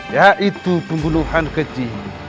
yaitu pembunuhan keji